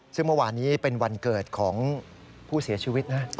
ซึ่งเมื่อวานนี้เป็นวันเกิดของผู้เสียชีวิตนะ